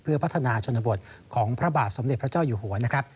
เพื่อพัฒนาชนบทของพระบาทสมเด็จพระเจ้าอยู่หัวนะครับ